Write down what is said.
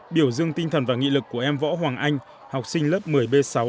biểu dương tinh thần và nghị lực của em võ hoàng anh học sinh lớp một mươi b sáu